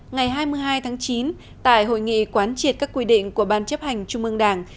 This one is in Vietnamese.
ngày hai mươi hai tháng chín tại hội nghị quán triệt các quy định của ban chấp hành trung ương đảng